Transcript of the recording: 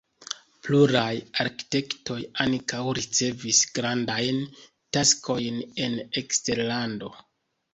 Pluraj arkitektoj ankaŭ ricevis grandajn taskojn en eksterlando.